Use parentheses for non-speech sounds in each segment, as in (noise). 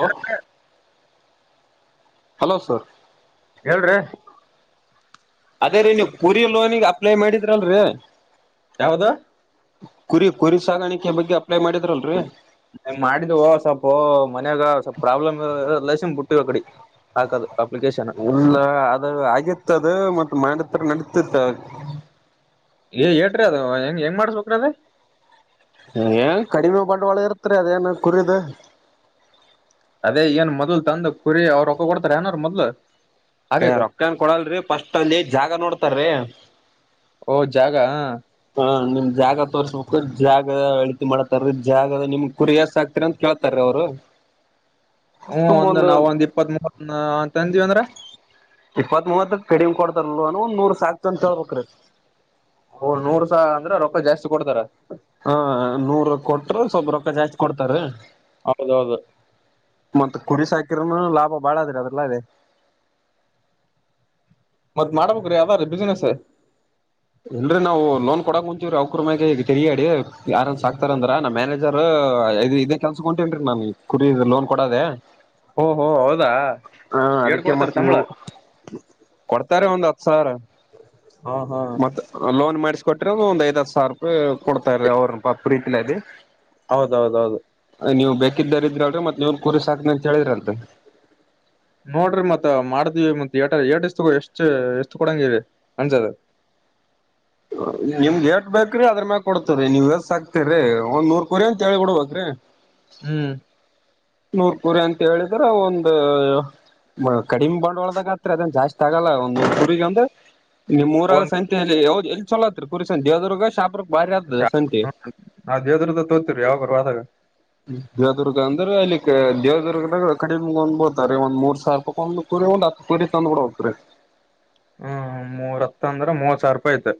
Hello hello sir. ಹೇಳ್ರಿ ಅದೇ ರೀ ನೀವು ಕುರಿ ಲೋನಿಗ್ ಅಪ್ಲೈ ಮಾಡಿದ್ರಲರೀ. ಯಾವದ್. ಕುರಿ ಕುರಿ ಸಾಗಾಣಿಕೆ ಬಗ್ಗೆ. ಅಪ್ಲೈ ಮಾಡಿದ್ರಲ್ರರಿ ಮಾಡಿದವೊ ಸ್ವಲ್ಪೊ ಮನ್ಯಾಗ ಸ್ವಲ್ಪ ಪ್ರಾಬ್ಲಮ್ ರಿಲೆಸನ್ ಬಿಟ್ಟ್ (unintelligible) ಹಟ್ಟಿ ಒಕಡಿ ಹಾಕದು. ಅಪ್ಲಿಕೇಶನ್ ಇಲ್ಲ ಅದು ಆಗಿತ್ತದು ಮತ್ ಮಾಡದ್ರ ನಡತಿತ್. ಏ ಏಟ್ರಿ ಅದು ಹೆಂಗ್ ಹೆಂಗ್ ಮಾಡಸ್ಬೇಕ್ರಿ ಅದ. ಏ ಕಡಿಮೆ ಬಂಡವಾಳ ಇರುತ್ತೆ ರೀ ಅದೇನು ಕುರಿದು. ಅದೇ ಏನ್ ಮೊದ್ಲ್ ತಂದ ಕುರಿ ಅವರುಕ್ಕ ಕೊಡ್ತಾರ ಏನಾರ ಮೊದ್ಲು. ಹಾಕಕ ರೊಕ್ಕ ಏನ್ ಕೊಡಲರಿ ಫಸ್ಟ್ ಅಲ್ಲಿ ಜಾಗ ನೋಡ್ತಾರೀ. ಓ ಜಾಗ ಹಾ. ಹ ನಿಮ್ ಜಾಗ ತೋರ್ಸ್ಬೇಕು ಜಾಗ ಅಳತಿ ಮಾಡತಾರೀ ಜಾಗದ ನಿಮ್ ಕುರಿ ಎಷ್ಟ ಆಕ್ತರಿ ಅಂತ ಕೇಳ್ತಾರೀ ಅವರು. ಹ (unintelligible) ಹ್ಮ ಒಂದ ನಾವು ಒಂದ್ ಇಪ್ಪತ್ತ್ ಮೂವತ್ ಅಂತಂದ್ವಿ ಅಂದ್ರೆ. ಇಪ್ಪತ್ ಮೂವತ್ತ ಕಡಿಮ್ ಕೊಡ್ತಾರಲ್ವ ಒಂದ್ ನೂರ್ ಸಾಕ್ತೀವಿ ಅಂತ ಹೇಳ್ಬೇಕ್ರಿ. ಹ, ನೂರು ಸ ಅಂದ್ರೆ ರೊಕ್ಕಾಜಾಸ್ತಿ ಕೊಡ್ತಾರ. ಹಾ, ನೂರ್ ಕೊಟ್ರ ಸ್ವಲ್ಪ ರೊಕ್ಕ ಜಾಸ್ತಿ ಕೊಡ್ತಾರಿ. ಹೌದೌದು. ಕುರಿ ಲಾಭ ಬಾಳದ್ರ ಅದಲ್ಲ ಅದೆ (unintelligible) ಮತ್ ಮಾಡ್ಬೇಕ್ರೀ ಯಾವ್ದಾರೀ ಬಿಸ್ನೆಸ್. ಇಲ್ರಿ ನಾವು ಲೋನ್ ಕೊಡಕ್ ಕುಂತೀ್ರೀ ಅ ಅವಕ್ರ್ರುಮ್ಯಾಗ ತಿರಿಗಾಡಿ. ಯಾರ ಸಾಕ್ತಾರ ಅಂದ್ರ ನಮ್ಮ ಮ್ಯಾನೇಜ ದು ಇದೇ ಕೆಲ್ಸಕೊಂಟೇನ್ರಿ ನಾ ಕುರಿ ಲೋನ್ ಕೊಡದೆೇ. ಓಹೋ ಹೌದಾ ಹಾ ಏಟ್ ಅದಕ್ಕೆ ಕೊಡ್ತಾರ ಮತ್ತೆ ಸಂಬಳ ನೀವು ಕೊಡ್ (unintelligible) (unintelligible) ರೆ ಒಂದು ಹತ್ತು ಸಾವಿರ. ಹ ಹಾ ಮತ್ತ ಲೋನ್ ಮಾಡಿಸಕೊಟ್ರೆ, ಒಂದ ಒಂದ್ ಐದ ಹತ್ತು ಸಾವಿ ರೂಪಾಯಿ ಕೊಡ್ತಾರೀ ಅವ್ರ ಪ ಪ್ರೀತಿಲಿದಿ. ಹೌದೌ, ದೌದು ನೀವು ಬೇಕಿದ್ದಾರಿ ಕೇಲ್ರೀ ಮತ್ತ ನೀವನ್ ಕುರಿ ಸಾಕತಿನಿ ಹೇಳಿದ್ರಲ್ಂತ. - ನೋಡ್ರಿ ಮತ್ ಮಾಡ್ದವಿ ಮತ್ ಏಟ ಏಷ್ಟತ್ ಎಷ್ಟ ಎಷ್ಟ ಕೊಡಂಗೀರಿ ಅಂಜದ. (unintelligible) ನಿಮ್ಗ ಎಷ್ಟು ಬೇಕು ಅದರ ಮ್ಯಾಲ ಕೊಡ್ತೀವಿ. ನೀವೆಷ್ಟಸಾಕ್ತಿರಿ ಒಂದು ಕುರಿ ಅಂತ ಹೇಳಿಬಿಡಬೇಕ್ರಿ. ಹ್ಮ್, ನೂರ್ ಕುರಿ ಅಂತ ಹೇಳಿದ್ರೆ ಒಂದು ಕಡಿಮೆ ಬಂಡ್ವಾಳದಾಗ ಆತ್ರಿ ಅದನ್ ಜಾಸ್ತಿ ಆಗಲ್ಲ. ಒಂದ್ ನೂರ್ ಕುರಿಗ ಅಂದ್ರೆ ನಿಮ್ಮೂರಾಗ ಒಂದ್ ಸಂತಿ ಯ ಎಲ್ಲಿ ಚಲೋ ಆಗ್ತೈತ್ರಿ ಕುರಿ ದೇವದುರ್ಗ, ಶಹಾಪುರ ನಾವು ದೇವದುರ್ಗತೋರ್ತಿವ್ರಿ ಯಾವಾಗರ ಹೋದಾಗ. ದೇವದುರ್ಗ ಅಂದ್ರೆ ಅಲ್ಲಿಕ್ಕೆ ದೇವದುರ್ಗದಾಗ ಕಡಿಮಗಂದ್ಬರ್ಡ್ತಾರಿ. ಒಂದ ಮೂರ್ ಸಾವಿರ ಒಂದು ಕುರಿ ಒಂದ್ ಹತ್ತು ಕುರಿ ತಂದು ಬಿಡಬೇಕ್ರಿ. ಹ್ಮ ಮೂರ ಹತ್ತ ಅಂದ್ರ ಮೂವತ್ ಸಾವಿರ ರೂಪಾಯಿ ಐತ್.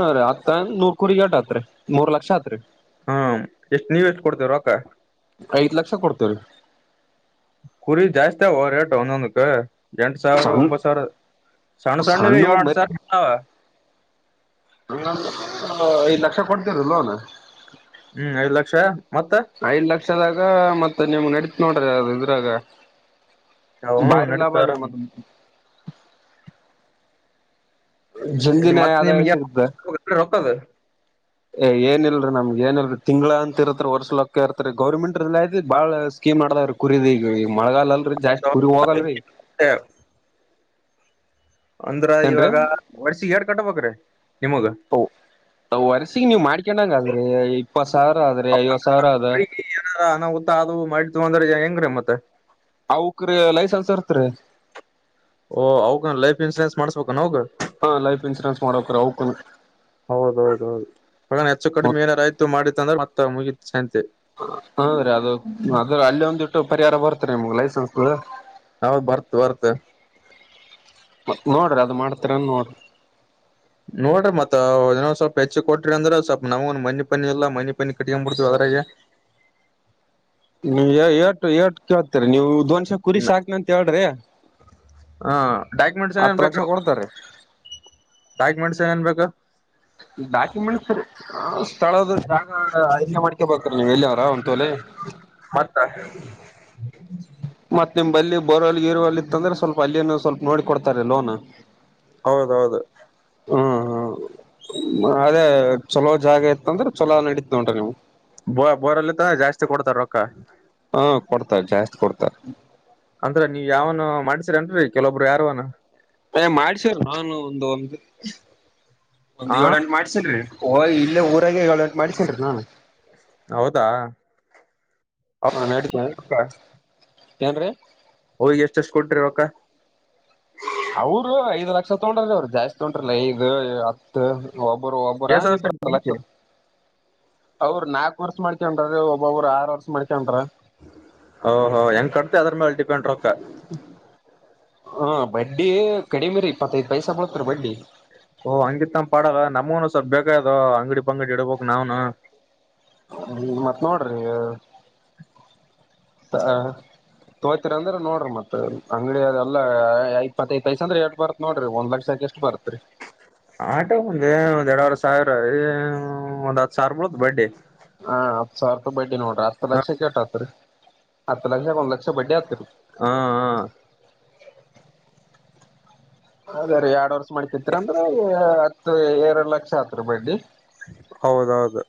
ಹ ರ ಆಗ್ತ ನೂರ್ ಕುರಿ ಟ ಆತ್ರಿ ಮೂರ್ ಲಕ್ಷ ಆತ್ರಿ (unintelligible) ಹ್ಮ್, ಎಷ್ಟ್ ನೀವೆ ಎಷ್ಟು ಕೊಡ್ತೇರಿ ರೊಕ್ಕ. ಐದ ಲಕ್ಷ ಕೊಡ್ತೀವಿರಿ. ಕುರಿ ಜಾಸ್ತಿ ಆವೋ ರೇಟ್ ಒಂದೊಂದಕ್ಕ. ಎಂಟು ಸಾವಿರ, ಸಣ್ಣ ಒಂಬತ್ತು ಸಾವಿರ ಸಣ್ಣ -ಸಣ್ಣ ಏಳ ಸಣ್ಣವು ಎಂಟು ಸಾವಿರಾವ. ಹ ಐದ್ ಲಕ್ಷ ಕೊಡ್ತೀವ್ರಿ ಲೋನ್, - ಹ್ಮ್, ಐದ ಲಕ್ಷ- ಮತ್ತ ಐದ ಲಕ್ಷದಾಗ ಮತ್ತೆ ನಿಮಗ ನಡೀತದ ನೋಡ್ರಿ ಇದ್ರಾಗ. ಹ್ಮ ಬಾರಿ ಲಾಭ ಅ ನಡೀತಾವ ಆದ್ರಿ ಆರಾಮ್ ಮತ್ತ ಜಂಲ್ದಿನೆ ಮತ್ ಆದಾಯ ನಿಮ್ಗೆ ಸಿಗ್ತದ. ರೊಕ್ಕದ ಏ ಏನ ಇಲ್ರಿ ನಮ್ಗ ಏನಲ್ರಿ ತಿಂಗಳ ಅಂತ ಇರತರ್ರಿ. ವರ್ಷ ಲೆಕ್ಕ ಇರ್ತ್ರಿ ಗೌರ್ಮೆಂಟ ಲೇದಿ ಬಾಳ ಸ್ಕೀಮ್ ಮಾಡ ಕುರಿದಿ ಈಗ ಈ ಮಳಗಾಲಲ್ರೀ ಜಾಸ್ತಿ ಕುರಿ ಹೋಗಲ್ರೀ. ಅಂದ್ರ ಇವಾಗ ವರ್ಷಿಗಿ ಎಟ್ ಕಟ್ಟಬೇಕ್ರೀ ನಿಮಗ. ವರ್ಸಿಗ ನೀವ್ ಮಾಡ್ಕೊಂಡಂಗ ಆದ್ರಿ ಇಪ್ಪತ್ ಸಾವಿರ ಆದ್ರಿ, ಐವತ್ ಸಾವಿರ ಆದಾ ಮ ಅದು ಮಾಡಿ (unintelligible) ತಗಂದ್ರೆ ಹೆಂಗ್ರೀ ಮತ್ತೆ- ಅವುಕ್ರ ಲೈಸನ್ಸ್ ಇರ್ತ್ರಿ ಓ ಅವಕಲೈಫ್ ಇನ್ಶೂರೆನ್ಸ್ ಮಾಡ್ಬೇಕ ಹಗ ಹಾ, ಲೈಫ್ ಇನ್ಸೂರೆನ್ಸ್ ಮಾಡಕ್ರಿ ಅವಕನು. ಹೌದೌದ, ಹೌದು ಬಗನಹೆಚ್ಚು ಕಡಿಮೆ ಏನಾರ ಆಯ್ತು ಮಾಡಿತ್ತ ಅಂದ್ರೆ ಮತ್ತ ಮುಗಿ ತಸಂತಿ. ಹೌದ್ರೀ ಅದು ಅದ್ರ ಅಲ್ಲಿ ಒಂದಿಟ್ಟು ಪರಿಹಾರ ಬರ್ತರಿ ನಿಮ್ಗ್ ಲೈಸೆನ್ಸ್. ಅವಾಗ ಬರ್ತ್ -ಬರ್ತ್ ಮತ್ ನೋಡ್ರಿ ಅದ ಮಾಡ್ತೀರನ್ ನೋಡ್ರಿ ನೋಡ್ರಿ ಮತ್ಇನ್ನೊಂದ ಸ್ವಲ್ಪ ಹೆಚ್ಚು ಕೊಟ್ರಿ ಅಂದ್ರೆ ಸ್ವಲ್ ನಮಗಮನಿ-ಪನಿಇಲ್ಲ ಮನಿ-ಪನಿ ಕಟ್ಕೊಂಡ್ ಬಿಡ್ತೀವಿ. ಅ (inaudible) (inaudible) ನೀ ಏಟು ಏಟ್ ಕೇಳ್ತೀರಿ ನೀವುದೊನ್ಸೆ ಕುರಿ ಸಾಾಕ್ನಂತ ಹೇಳ್ರಿ. ಹ ಡಾಕ್ಯುಮೆಂಟ್ಸ್ ಏನೇನ್ ಹತ್ತು ಲಕ್ಷ ಬೇಕು ಕೊಡ್ತಾರೆ ಡಾಕ್ಯುಮೆಂಟ್ಸ್ ಏನೇನ್ ಬೇಕು ಡಾಕ್ಯುಮೆಂಟ್ಸ್ ಸ್ಥಳದ ಜಾಗ ಆಯ್ಕೆ ಮಾಡ್ಕ ಬ್ರ ನೀವ್ ಎಲ್ಲಿ ಅವ್ರ ಒಂತತ್ಲೆ ಮತ್ತೆ ಮತ್ತತ್ ನಿಮ್ಲ್ಲಿ ಬರವಲ್ಲಿ ಇರುವಲ್ಲಿ ಇತ್ತಂದ್ರೆ ಸ್ವಲ್ಪ ಅಲ್ಲಿಯನ್ನು ಸ್ವಲ್ಪ ನೋಡಿ ಕೊಡ್ತಾರೆ ಲೋನ್ ಹೌದೌದು ಹ್ಮ ಹ ಅದೇ ಚಲೋ ಜಾಗ ಇತ್ತ ಅಂದ್ರೆ ಚಲೋ ನಡೀತ ಉಂಟ್ರ ನೀವು ಬೋ ಬೋರಲ್ಲಿತ ಜಾಸ್ತಿ ಕೊಡ್ತಾರ ರೊಕ್ಕ ಹಾ ಕೊಡ್ತಾರೆ ಜಾಸ್ತಿ ಕೊಡ್ತಾರೆ ಅಂದ್ರ ನೀವ್ ಯಾವನು ಮಾಡ್ಸರನ್ರರಿ ಕೆಲವೊಬ್ಬರು ಯಾರನ ಅ ಮಾಡ್ಸವ್ರಿ ನಾನು ಒಂದ ಒಂದು ಒಂದ್ ಹ ಏಳಂಟು ಮಾಡ್ಸರಿ ಓ ಇಲ್ಲೇ ಊರಾಗ ಏಳುಎಂಟು ಮಾಡ್ಸ್ಕೊಂಡ್ರಿ ನಾನು ಹ ಏನ್ ರ ಹ್ ಎಷ್ಟ ಎಷ್ಟ ಕೊಟ್ರಿ ರಕ್ಕ ಅವರು ಐದ್ ಲಕ್ಷ ತಗೊಂಡ್ರ ಅವರು ಜಾಸ್ತಿ ತೊಂಟ್ರಲ್ಲ ಐದ ಹತ್ತು ಒಬ್ಬರು ಒಬ್ಬರು ಎಸ್ ಹ ಎಸ್ ಇಬ್ಬರು ಲಕ್ಷ ಅವರು ನಾಲ್ಕ್ ವರ್ಷ ಮಾಡ್ಕನ್ ಒಬ್ಬೊಬ್ರು ಆರು ವರ್ಷ ಮಾಡ್ಕನ್ ಓಹೋ ಹೆಂಗ್ ಕಟ್ ಅದ್ರ ಮೇಲೆ ಡಿಪೆಂಡ್ ರೊಕ್ಕ ಹಾ ಬಡ್ಡಿ ಕಡಿಮೆ ರೀ ಇಪ್ಪತ್ತೈದ್ ಪೈಸ ಬತ್ರಿ ಬಡ್ಡಿ ಓ ಹಂಗಿತ್ ನಮ್ಮ ಪಾಲ್ಲ ನಮಗನು ಸ್ವಲ್ಪ ಬೇಕಾಯ ಅಂಗಡಿ ಪಂಗಡಿ ಇಡ್ಬಕ್ ನಾವ್ನು ಮತ್ ನೋಡ್ರಿ ತೋಯತರಿ ಅಂದ್ರ ನೋಡಿ ಮತ್ ಅಂಗಡಿ ಅದೆಲ್ಲಾ ಇಪ್ಪತೈದು ಪೈಸೆ ಎಡ್ ಬರತ್ ನೋಡ್ರಿ ಒಂದ್ ಲಕ್ಷ ಏಷ್ಟು ಬರ್ತ್ರಿ ಆಟ ಒಂದ ಒಂದ್ ಎರಡ್ವರ್ ಸಾವಿರ ಒಂದ್ ಹತ್ ಸಾವಿರತ್ ಬಡ್ಡಿ ಹಾ ಹತ್ತು ಸಾವಿರ ರೂಪಾಯಿ ಬೈಡ್ಡಿ ನೋಡ್ರಿ ಹತ್ತು ಹ ಲಕ್ಷ ಕೆಟತ್ರಿ ಹತ್ತು ಲಕ್ಷ ಒಂದ್ ಲಕ್ಷ ಬಡ್ಡಿ ಆತ್ರಿ ಹಾ ಹಾ ಅದ ರೀ ಎರಡ್ ವರ್ಷ ಮಾಡ್ಕತ್ತರ ಅಂದ್ರೆ ಹತ್ತು ಎರಡು ಲಕ್ಷ ಹತ್ ರ ಬಡ್ಡಿ ಹೌದೌದು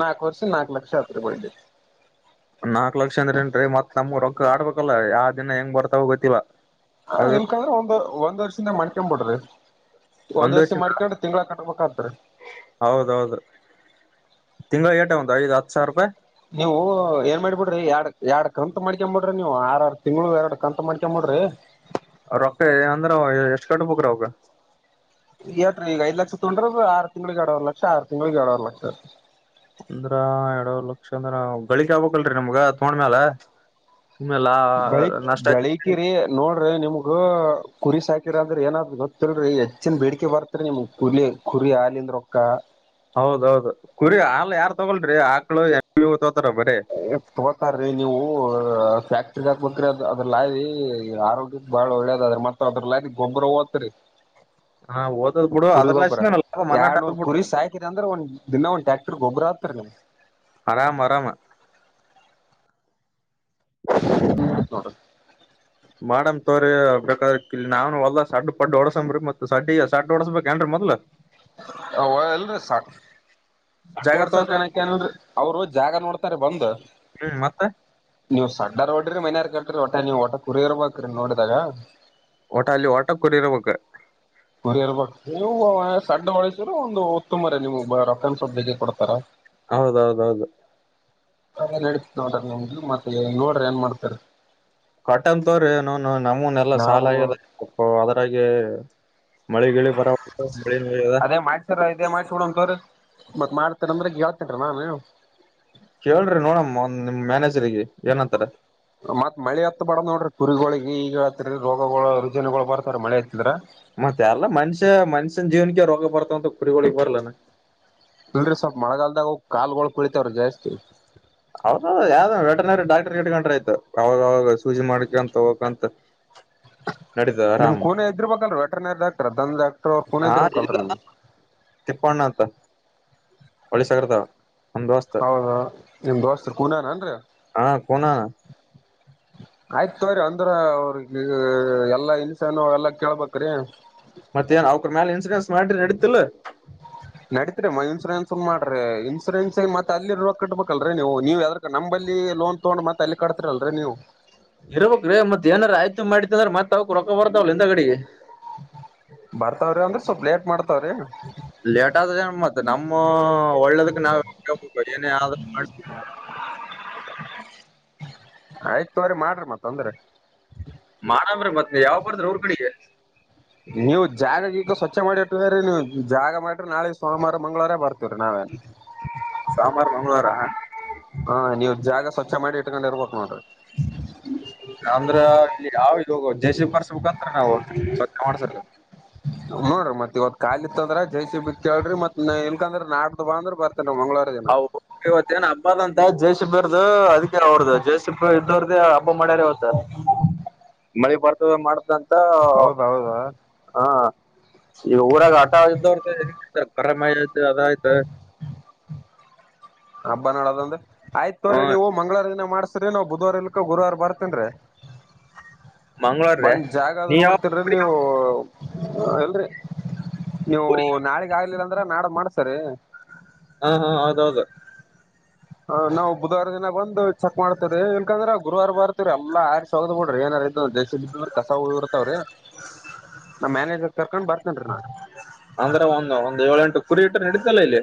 ನಾಲ್ಕು ವರ್ಷ ನಾಲ್ಕಕ್ ಲಕ್ಷ ಆದ್ರೆ ಬಡ್ಡಿ ನಾಕಕ್ ಲಕ್ಷ ಅಂದ್ರೇಏನ್ ಮತ್ ನಮ್ ರೊಕ್ಕಆಡ್ಬೇಕಲ್ಲ ಯಾವ ದಿನ ಹೆಂಗ್ ಬರ್ತಾವ ಗೊತ್ತಿಲ್ಲಾ ಹ ಇಲ್ಕಂದ್ರೆ ಒಂದ್ ಒಂದ್ ವರ್ಷದಿಂದ ಮ್ ಬಿಡ್ರಿ ಒಂದ್ ವರ್ಷ ಮಾಡ್ಕೊಂಡ್ರ ತಿಂಗಳ ಕಟ್ಬೇಕತ್ ತಿಂಗಳಗಳು ಏಟ ಒಂದು ಐದು ಹ ಸಾವರ ರೂಪಾಯಿ ನೀವು ಏನ್ ಮಾಡಬಿಡ್ರಿ ಯಡ್ ಎರಡ್ ಕಂತ್ ಮಾಡ್ಕಂಬಿಡ್ರಿ ನೀವು ಆರ ಆರ್ ತಿಂಗಳು ಎರಡ್ ಕಂತ ಮಾಡ್ಕಂಬಿಡ್ರಿ ಅವ ರೊಕ್ಕ ಅಂದ್ರ ಎಷ್ಟ್ ಕಟ್ಬಕ್ ಅವಗ ಎಟ್ರಿ ಈಗ ಐದು ಲಕ್ಷ ತೊಡ್ರ ಆರು ತಿಂಗಳಗ್ ಎರಡವರ್ ಲಕ್ಷ ಆರು ತಿಂಗಳಗ್ ಎರಡ್ವರ್ ಲಕ್ಷ ಅಂದ್ರ ಎರಡವ ಲಕ್ಷ ಅಂದ್ರ ಗಳಿಕ ಆಗ್ಬೇಕಕ್ಲ್ರರಿ ನಮ್ಗ ತಗೊಂಡ್ಮ್ಯಾಲ ಗಳ ಗಳಿಕಿರಿ ನೋಡ್ರಿ ನಿಮ್ಗ ಕುರಿ ಸಾಕಿರ ಅಂದ್ರೆ ಏನಾದ್ ಗೊತ್ತ ರಿ ಎಚ್ ಜನ್ ಬೇಡಿಕೆ ಬರ್ತರಿ ನಿಮ್ ಕುರಿ ಕುರಿ ಹಾಲ ಅಂದ್ರೊಕ್ಕ ಹೌದೌದು ಕುರಿ ಹಾಲು ಯಾರ್ ತೊಗೋಳ್ರಿ ಆಕ್ಳು ಎಮ್ಮಿ ತೋತಾರ ಬರೀ ಎ ತಗೋತಾರಿ ನೀವು ಫ್ಯಾಕ್ಟ್ರಿಗ್ ಹಾಕ್ಬೇಕ್ರೀ ಅದು ಅದ್ರಲ್ಲಿ ಈ ಆರೋಗ್ಯದ ಬಾಳ ಒಳ್ಳೇದ ಅದ್ರ ಮಾತ್ರ ಅದ್ರಲ್ಲಿ ಗೊಬರ ಓದತ್ರಿ ಹಾ ಓದದ್ ಬಿಡು ಕುರಿ ಗೊಬ್ಬರ ಅದ್ರಲಾಸಿನ ಲಾಭ ಮನ್ನಾಟ ಆದ್ ಎರ್ಡ್ನೂರ್ ಬಿಡು ಕುರಿ ಸಾಯಕಿದೆ ಅಂದ್ರೆ ಒಂದ್ ದಿನಾ ಒಂದು ಟ್ಯಾಕ್ಟರ್ ಗೊಬ್ಬರ ಆಗ್ತರಿ ನಿಮ್ ಆರಾಮ ಆರಾಮ ಹತೋಡ ಬಾದ ನಾವನ್ ಒಲ್ಲದಾಗ ಸಡ್ ಪಡ್ ಓಡಸಂಬ್ರಿ ಮತ್ತ ಸಡ್ಡಿ ಸಡ್ ಓಡಸ್ಬೇಕ ಏನ್ರ ಮೊದಲ ಅವ ಇಲ್ರೀ ಸಡ್ ಸಡ್ ಜಾಗ ವಡ್ಸಕ್ಕೆ ತೋರ್ಸ್ಬೇಕ್ ನಿ ಅವರು ಜಾಗ ನೋಡ್ತಾರೆ ಬಂದ್ ಹ್ಮ್ ಮತ್ತೆ ನೀವು ಸಣ್ಣರ್ ಓಡ್ರಿ ಮನೆಯಾರ್ ಕಟ್ರಿ ಒಟ ನೀವವು ಒಟ್ಟ್ಶ ಕುರಿ ಇರ್ಬೇಕ್ರಿ ನೋಡಿದಾಗ ಓಟ ಅಲ್ಲಿ ವಾಟರ್ ಕೊರಿಯರ್ ಓಕೆ ಕೊರಿಯರ್ ಬಕ್ ನೀವು ಸಣ್ಣ‌ ಒಂದು ಉತ್ತಮ ನಿಮಗೆ ರೆಪ್ರೇನ್ ಸದ್ದೆಗೆ ಕೊಡ್ತಾರೆ ಹೌದೌದೌದು ಅ ನಡತ ನೋಡ್ರಿ ನಿಮ್ದು ಮತ್ತೆ ನೋಡ್ರಿ ಏನ್ ಮಾಡ್ತಾರೆ. ಕಟ್ಟಂತವ್ರಿ ಏನು ನಮೂನ್ ಎಲ್ಲಾ ನಾವು ಸಾಲ ಆಗ್ಯದ ಅದ್ರಾಗೆ ಮಳಿ ಗಿಳಿ ಬರ ಮಳಿ ಆಗ್ಯದ ಅದೇ ಮಾಡ್ಸರ ಇದೇ ಮಾಡ್ಸಬೀಡನ್ ತಡಿ ಮತ್ ಮಾಡ್ತಾರಂದ್ರೆ ಗ ಹತನ್ರ ನಾನು ಕೇಳ್ರಿ ನೋಡಣ ನಿಮ್ ಮ್ಯಾನೆಜ್ ಮತ್ ಮಳೆ ಎತ್ ಬರಲ್ಲ ನೋಡ್ರಿ ಕುರಿಗಳಿಗೆ ಈಗ ಹತ್ರ ರೋಗಗಳು ರುಜಿನಗಳು ಬರ್ತಾರೆ ಮಳೆ ಹತ್ತಂದ್ರೆ ಮತ್ತೆ ಎಲ್ಲ ಮನುಷ್ಯ ಮನುಷ್ಯನ್ ಜೀವನಕ್ಕೆ ರೋಗ ಬರ್ತವಂತ ಕುರಿಗಳಿಗ್ ಬರ್ಲಾನೊ ಅಲ್ರರಿ ಸ್ವಲ್ಪ್ ಮಳೆಗಾಲ್ದಾಗ ಕಾಲ್ಗಳ್ ಕೊಳಿತವ್ ರೀ ಜಾಸ್ತಿ ಹೌದ ಯಾವ್ದನ ವೆಟನರಿ ಡಾಕ್ಟರ್ ಗಿಡ್ಕೊಂಡ್ರೆ ಆಯ್ತು ಅವಾಗಾವಾಗ ಸೂಜಿ ಮಾಡ್ಕಂತ ಹೋಗಂತ ಹ ನಮ್ ಕೊನೆ ಇದಿರ್ಬೇಕಲ್ ವೆಟರ್ನರಿ ಡಾಕ್ಟರ್ ದನ್ ಡಾಕ್ಟರ್ ಅವ ಕೂನೆ ಹಾ ಇಲ್ಲ ಇದಿರ್ಬೇಕಲ್ರಿ ನಿಮ್ದ ತಿಪ್ಪಣ್ಣ ಅಂತ ಪೋಲಿಸೋರ್ ದೊ ಹೌದಾ ನಿಮ್ ದೋಸ್ತರ್ ಕೂನಾ ಏನ್ರೀ ಹ ಹಾ ಕೂನ (unintelligible) ಆಯ್ತು ತೋರಿ ಅಂದ್ರೆ ಅವ್ರಿಗೆ ಎಲ್ಲಾ ಇನ್ಸ್ ಏನು ಎಲ್ಲಾ ಕೇಳಬೇಕ್ ರೀ ಮತ್ತೇನ್ ಅವಕ್ರೆರ್ ಮೇಲ್ ಇನ್ಸೂರೆನ್ಸ್ ಮಾಡ್ರಿ ನಡತಿಲ್ ಇಲ್ಲ್ ಇನ್ಸೂರೆನ್ ಮಾಡ್ರರಿ ಇನ್ಸೂರೆನ್ಸ್ ಮತ್ತ ಅಲ್ಲಿ ರೋಕ ಕಟ್ಬೇಕಲ್ರೀ ನೀವು ಯಾವ್ ನಂಬಲ್ಲಿ ಲೋನ್ ತಗೊಂಡ್ ಮತ್ತ್ ಅಲ್ಲಿ ಕಟ್ತಾರಿ ಅಲ್ರರಿ ನೀವು ಇರಬೇಕ್ ರೀ ಮತ್ ಏನಾರ ಆಯ್ತು ಮಾಡಿತ್ ಅಂದ್ರೆ ಮತ್ತ್ ಅವಕ ರೊಕ್ಕ ಬರ್ತಾವಲ್ಲ ಇಂದ ಕಡೆ ಬರ್ತಾವ್ರ್ ರೀ ಅಂದ್ರೆ ಸ್ವಲ್ಪ್ ಲೇಟ್ ಮಾಡ್ ಲೇಟಾಗ ಮತ್ತ ನಮ್ಮ ಒಳ್ಳೇದಕ್ ನಾವ್ (unintelligible) ಆಯ್ ನೋಡ್ರೀ ಮಾಡ್ರಿ ಮತ್ತೊಂದ್ರೆ ಮಾಡಂಬ್ರಿ ಮತ್ ಯಾವಾಗ ಬರತ್ತೀರಿ ಊರಕಡೆಗೆ ನೀವು ಜಾಗಕ್ ಈಗ ಸ್ವಚ್ಛ ಮಾಡಿಟ್ಟೀ ರೀ ನೀವು ಜಾಗ ಮಾಡಿರಿ ನಾಳಗ್ ಸೋಮವಾರ ಮಂಗಳವಾರ ಬರ್ತೀವೀ ನಾವೇನ್. ಸೋಮವಾರ ಮಂಗಳವಾರ ಹ ನೀವು ಜಾಗ ಸ್ವಚ್ಛ ಮಾಡಿ ಇಟ್ಕೊಂಡ ಇರ್ಬೇಕು ನೋಡ್ರಿ. ಅಂದ್ರೆ ಇಲ್ಲಿ ಯಾವ ಇಗೋಗ ಜಯಸಿ ಪರ್ಸಕ್ ಹತ್ರ ನಾವು ಸ (unintelligible) ಮಾಡ್ಸರ್ ನೋಡ್ರಿ ಮತ್ ಇವತ್ ಕಾಲಿ ಇತ್ತಂದ್ರೆ ಜೆ ಸಿ ಬಿ ಕೇಳ್ರಿ ಮತ್ ಎಲ್ಕಂದ್ರ ನಾಡ್ದಬ ಅಂದ್ರೆ ಬರ್ ಹ ಇವತ್ತೇನ್ ಹಬ್ಬದಂತ ಜೆಸಿಬಿ ಅವರದು ಅದಿಕೆ ನೋಡ್ದೆ ಜೆಸಿಬಿ ದ ಹಬ್ಬ ಮಾಡ್ಯರ್ ಇವತ್ತ್ ಬರ್ತದ ಮಾಡತನ್ ಹೌದೌದಾ ಇವಾಗ ಊರಾಗ ಆಟ ಇದ್ದೋರ್ ಕರಮಾಯ್ ಆಯ್ತ ಅದ ಆಯ್ತ ಹಬ್ಬ ನೋಡೋದ ಅಂದ್ರೆ ಹ ಆಯ್ತುವ್ರೀ ನೀವು ಮಂಗಳವಾರ ದಿನ ಮಾಡ್ ಸಿರಿ ನ ಬುಧವಾರ ಇಲ್ಕ ಗುರುವಾರ ಬರ್ತೀನ್ ರೀ ಮಂಗ್ಳೂರ್ರೆ ಬಂದ್ ಜಾಗ ಅದ ನೀ ಯಾವ ನೋಡ್ತಿಡ್ರಿ ಕುರಿ ನೀವು ಎಲ್ರಿ ನೀವು ಕುರಿ ನಾಳಿಗ್ ಆಗ್ಲಿಲ್ಲ ಅಂದ್ರೆ ನಾಳಿದ್ದ್ ಮಾಡ್ಸರಿ ಹಾ ಹಾ ಹೌದೌದು ಹ ನಾವ್ ಬುಧವಾರ ದಿನ ಬಂದು ಚೆಕ್ ಮಾಡ್ತೀರಿ ರೀ ಇಲ್ಕಂದ್ರ ಗುರುವಾರ ಬರ್ತೀರಿ ಎಲ್ಲಾ ಹಾಕಿ ಸರದ್ ಬಿಡ್ರಿ ಏನ್ (unintelligible) ಕಸ ಹರ್ತಾವ್ರೀ ನಮ್ಮ ಮ್ಯಾನೇಜರ್ ಕರ್ಕೊಂಡ್ ಬರ್ತೀನ್ ರೀ ನಾ ಹು ಅನ ಒಂದ್ ಏಳ ಎಂಟು ಕುರಿ ಇಟ್ಟರ ನಡಿತದ ಇಲ್ಲಿ.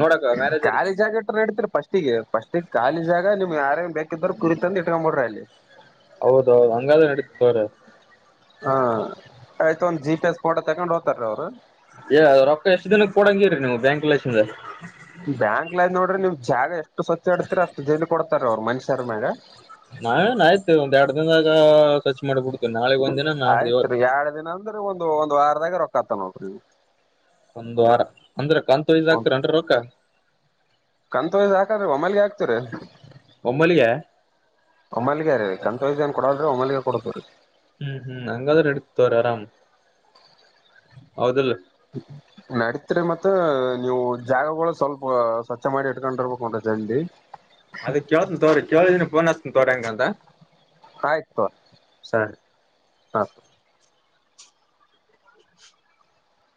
ನೋಡಕ ಮ್ಯಾರೇಜ್ ಅಲ್ಲಿ ಖಾಲಿ ಜಾಗ ಇಟ್ರ ನಡ್ತಿರಿ ಪಫಸ್ಟಿಗೆ ಫಸ್ಟಿಗೆ ಕಖಾಲಿ ಜಾಗ ನಿಮ್ ಆ ಬೇಕಿದ್ರರ ಕುರಿ ತಂದ ಇಟ್ಟುಕೊಂಡ ಬಿಡ್ರಿ ಅಲ್ಲಿ. ಹೌದ ಹೌದ ಹಂಗಾದ್ರ ನಡೆತದ ತೊಗೋರಿ ಆದ. ಹಾ ಆಯ್ತು ಒಂದ್ ಜಿ ಪಿ ಎಸ್ ಫೋಟೋ ತಗೊಂಡ್ ಹೋಗ್ತಾರಿ ಅವ್ರು. ಏ ರೊಕ್ಕ ಎಷ್ಟು ದಿನಕ್ ಕೊಡಂಗಿರಿ ನೀವು ಬ್ಯಾಂಕ್. (unintelligible) ಬ್ಯಾಂಕ ಲಾಗ್ ನೋಡ್ರಿ ನೀವ್ ಜಾಗ ಎಷ್ಟು ಸ್ವಚ್ಛಾಡ್ತರ ಅಷ್ಟ ಜೆನ ಕೊಡ್ತಾರ ಅವ್ರು ಮನುಷ್ಯರ ಮ್ಯಾಗ. ನಾವೇನ್ ಆಯ್ತು ಒಂದ್ ಎರಡ ದಿನದಾಗ. ಖರ್ಚು ಮಾಡ್ಬಿಡ್ತೀವಿ ನಾಳೆಗ್ ಒಂದ್ ದಿನ ನಾಡ್ದ ಆಯ್ತ್ ಇವತ್ ರೀ ಎರಡ್ ದಿನ ಅಂದ್ರ ಒಂದು ಒಂದ್ ವಾರದಾಗ ಲಾಕ್ ಆತವ ನೋಡ್ರಿ ನಿಮ್ ಒಂದ ವಾರ ಅಂದ್ರ ಕಾಂತ ವೈಸ್ ಒಂದ್ ಹಾಕ್ತಿರೇನ್ರಿ ರೊಕ್ಕ. ಕಂತ್ ವೈಸ್ ಹಾಕಲಾ ಒಮೇಲ್ಗೆ ಹಾಕ್ತೇವರಿ. ಒಮ್ಮಲಿಗೆ ಒಮ್ಮಿಲಗೇ ರೀ ಕಾಂತ ವೈಸ್ ಏನ ಕೊಡಲ್ಲ ರಿ ಒಮ್ಮಲ್ಗೆ ಕೊಡತವ್ರೀ. ಹ್ಮ್ ಹ್ಮ್ ಹಂಗಾದ್ರೆ ನಡಿತೈತಿ ತಗೋರಿ ಆರಾಮ್ ಹೌದಿಲ್ಲ. ನಡತ್ರಿ ಮತ್ತ ನೀವು ಜಾಗಗಳು ಸ್ವಲ್ಪ ಸ್ವಚ್ ಮಾಡಿ ಇಡ್ಕೊಂಡಿರ್ಬೇಕು ಒಂದ್ ಅಡಿ. ದಂಧಿ. ಅದ ಕೇಳ್ತನ್ ತೋರಿ ಕೇಳಿದೀನ ಪೋನ್ ಹಚ್ತೀನಿ ತೋರಿ ಹಂಗ ಅಂದ. ಆಯ್ತ ತೋರಿ ಆತು.